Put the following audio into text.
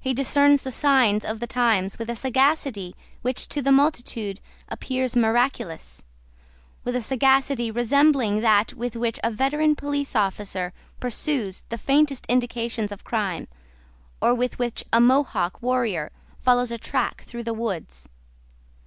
He discerns the signs of the times with a sagacity which to the multitude appears miraculous, with a sagacity resembling that with which a veteran police officer pursues the faintest indications of crime, or with which a Mohawk warrior follows a track through the woods.